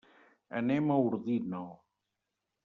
Anem a Ordino.